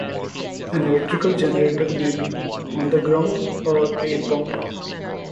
An electrical generator may be on the ground or airborne.